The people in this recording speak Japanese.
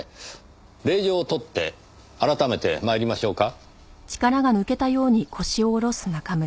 令状を取って改めて参りましょうか？